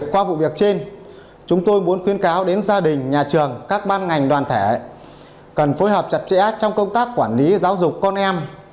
qua vụ việc trên chúng tôi muốn khuyên cáo đến gia đình nhà trường các ban ngành đoàn thể cần phối hợp chặt chẽ trong công tác quản lý giáo dục con em